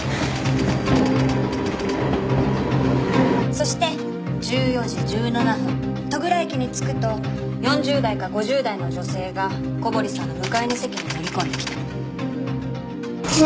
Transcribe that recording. そして１４時１７分戸倉駅に着くと４０代か５０代の女性が小堀さんの向かいの席に乗り込んできた。